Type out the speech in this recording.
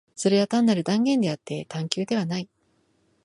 それは単なる断言であって探求ではない。